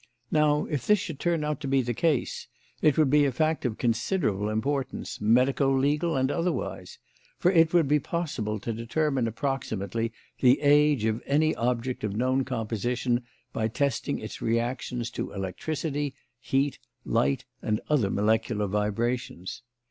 Now, if this should turn out to be the case, it would be a fact of considerable importance, medico legal and otherwise; for it would be possible to determine approximately the age of any object of known composition by testing its reactions to electricity, heat, light and other molecular vibrations.